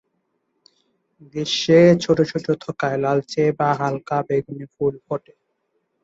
গ্রীষ্মে ছোট ছোট থোকায় লালচে বা হালকা বেগুনি ফুল ফোটে।